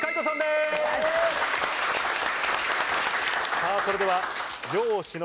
さぁそれでは。